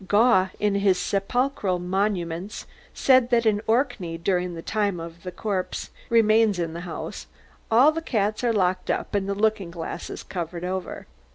Gough, in his 'Sepulchral Monuments,' says that in Orkney, during the time the corpse remains in the house, all the cats are locked up, and the looking glasses covered over.